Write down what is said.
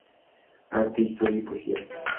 Arte, historia y poesia".